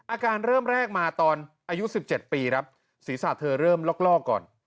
อาการเริ่มแรกมาตอนอายุ๑๗ปีครับศีรษะเธอเริ่มลอกก่อน